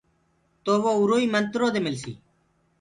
تو وو اِرو ئي منترو دي مِلسيٚ۔